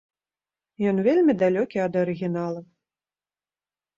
Ён вельмі далёкі ад арыгінала.